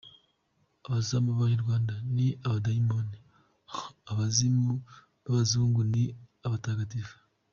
Abazimu b’Abanyarwanda ni abadayimoni, abazimu b’abazungu ni abatagatifu!!!.